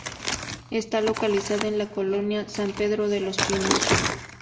Está localizada en la colonia San Pedro de los Pinos.